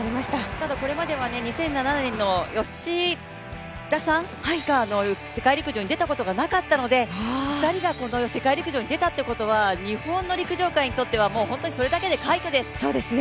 ただこれまでは２００７年の吉田さんしか世界陸上に出たことなかったので２人が世界陸上に出たということは日本の陸上界にとってはもう本当にそれだけで快挙です。